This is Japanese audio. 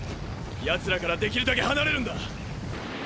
ヤツらからできるだけ離れるんだ。